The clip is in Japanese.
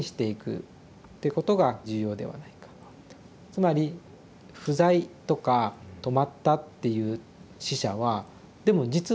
つまり不在とか止まったっていう死者はでも実は生き続ける。